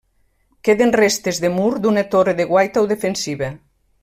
Queden restes de mur d'una torre de guaita o defensiva.